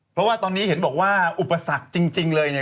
เพราะว่าตอนนี้เห็นบอกว่าอุปสรรคจริงเลยเนี่ย